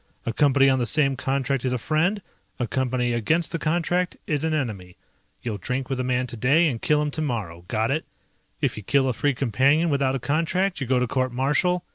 A Company on the same contract is a friend, a Company against the contract is an enemy. You'll drink with a man today, and kill him tomorrow. Got it? If you kill a Free Companion without a contract you go to court martial.